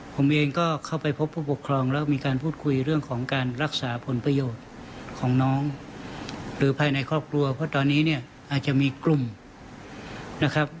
ผมเองก็เข้าไปพบผู้ปกครองแล้วมีการพูดคุยเรื่องของการรักษาผลประโยชน์ของน้องหรือภายในครอบครัวเพราะตอนนี้เนี่ยอาจจะมีกลุ่มนะครับ